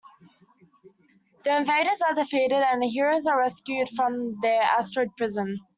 The invaders are defeated and the heroes are rescued from their asteroid prison.